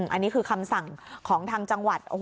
อันนี้คือคำสั่งของทางจังหวัด